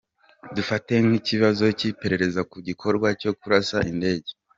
Dufate nk’ikibazo cy’iperereza ku gikorwa cyo kurasa indege.